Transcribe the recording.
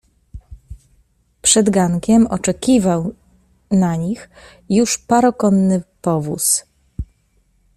"Przed gankiem oczekiwał na nich już parokonny powóz."